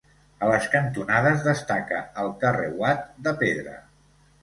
A les cantonades destaca el carreuat de pedra.